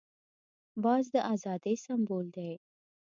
باز د آزادۍ سمبول دی